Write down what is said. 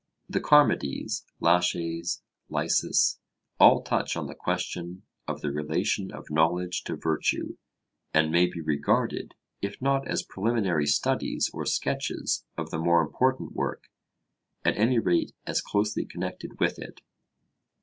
The Charmides, Laches, Lysis, all touch on the question of the relation of knowledge to virtue, and may be regarded, if not as preliminary studies or sketches of the more important work, at any rate as closely connected with it.